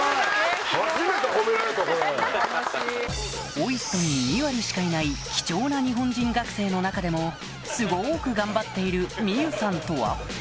ＯＩＳＴに２割しかいない貴重な日本人学生の中でもすごく頑張っているミユさんとは？